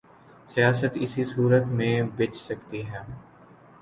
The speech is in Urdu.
سیاست اسی صورت میں بچ سکتی ہے۔